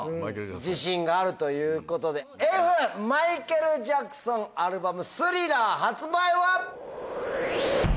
自信があるということでＦマイケル・ジャクソンアルバム『スリラー』発売は！